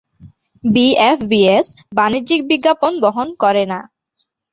BFBS বাণিজ্যিক বিজ্ঞাপন বহন করে না।